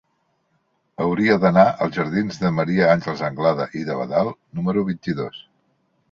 Hauria d'anar als jardins de Maria Àngels Anglada i d'Abadal número vint-i-dos.